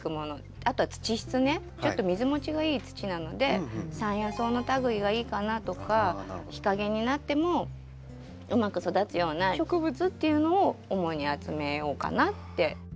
あとは土質ねちょっと水持ちがいい土なので山野草の類いがいいかなとか日陰になってもうまく育つような植物っていうのを主に集めようかなって。